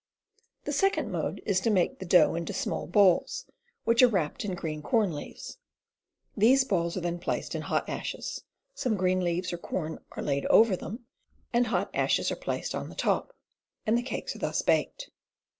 The second mode is to make the dough into small balls, which are wrapped in green corn leaves. These balls are then placed in hot ashes, some green leaves of corn are laid over them, and hot ashes are placed on the top, and the cakes are thus baked.